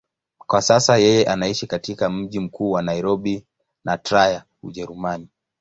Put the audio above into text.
Kwa sasa yeye anaishi katika mji mkuu wa Nairobi na Trier, Ujerumani.